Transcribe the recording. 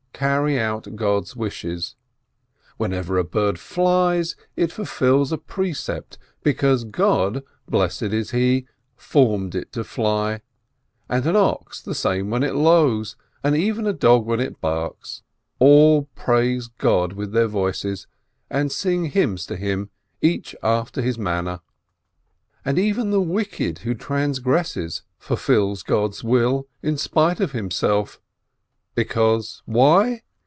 carry out God's wishes: whenever a bird flies, it fulfils a precept, because God, blessed is He, formed it to fly, and an ox the same when it lows, and even a dog when it barks —• all praise God with their voices, and sing hymns to Him, each after his manner. And even the wicked who transgresses fulfils God's will in spite of himself, because why?